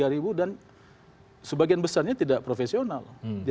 empat puluh tiga ribu dan sebagian besarnya tidak profesional